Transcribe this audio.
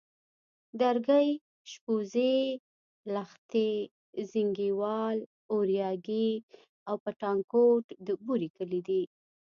درگۍ، شبوزې، لښتي، زينگيوال، اورياگی او پټانکوټ د بوري کلي دي.